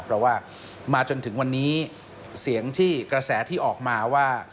เพราะว่ามาจนถึงวันนี้เสียงที่กระแสที่ออกมาว่า